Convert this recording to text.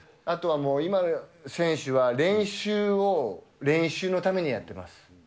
あとはもう、今、選手は練習を練習のためにやっています。